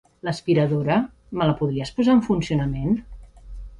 L'aspiradora, me la podries posar en funcionament?